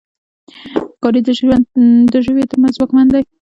ښکاري د ژويو تر منځ ځواکمن دی.